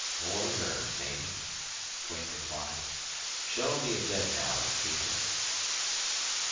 "More nerve, maybe," Duane replied. "Show me a bed now, innkeeper."